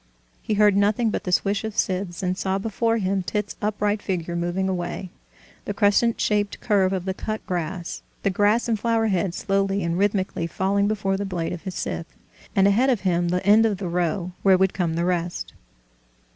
He heard nothing but the swish of scythes, and saw before him Tit's upright figure mowing away, the crescent shaped curve of the cut grass, the grass and flower heads slowly and rhythmically falling before the blade of his scythe, and ahead of him the end of the row, where would come the rest.